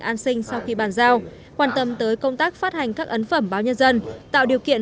an sinh sau khi bàn giao quan tâm tới công tác phát hành các ấn phẩm báo nhân dân tạo điều kiện